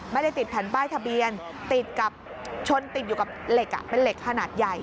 ไม่ได้ติดแผ่นป้ายทะเบียนติดกับชนติดอยู่กับเหล็กเป็นเหล็กขนาดใหญ่